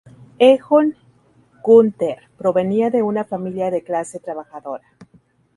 Egon Günther provenía de una familia de clase trabajadora.